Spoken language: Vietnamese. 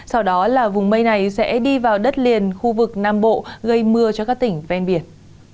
sau đó là vùng mây này sẽ đi vào đất liền khu vực nam bộ gây mưa cho các tỉnh ven biển